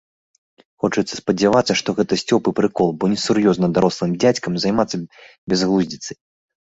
Хочацца спадзявацца, што гэта сцёб і прыкол, бо несур'ёзна дарослым дзядзькам займацца бязглуздзіцай.